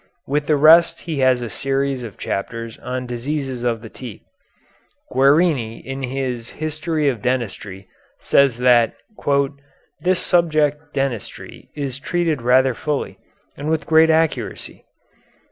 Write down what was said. With the rest he has a series of chapters on diseases of the teeth. Guerini in his "History of Dentistry" says that "this subject [dentistry] is treated rather fully, and with great accuracy."